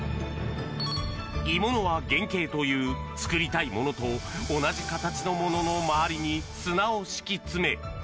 鋳物は原型という作りたいものと同じ形のものの周りに砂を敷き詰め。